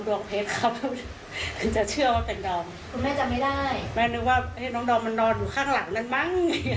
นึกว่ามันจะนอนสภาพอ้าปากรองน้ำฝนกัน